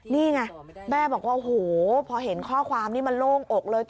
นี่ไงแม่บอกว่าโอ้โหพอเห็นข้อความนี้มันโล่งอกเลย